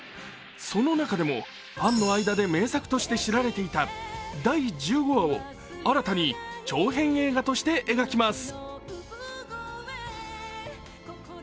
その中でもファンの間で名作として知られていた第１５話を新たに長編映画として描きます。